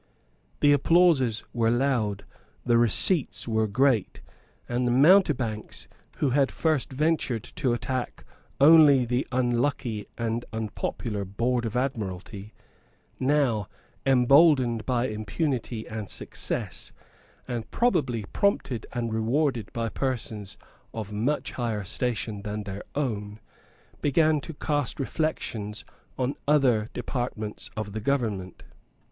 The applauses were loud; the receipts were great; and the mountebanks, who had at first ventured to attack only the unlucky and unpopular Board of Admiralty, now, emboldened by impunity and success, and probably prompted and rewarded by persons of much higher station than their own, began to cast reflections on other departments of the government.